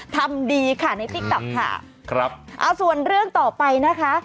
ทำดีค่ะในติ๊กต๊อกค่ะครับเอาส่วนเรื่องต่อไปนะคะ